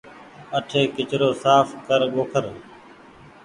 اٺي ڪچرو ساڦ ڪر ٻوکر۔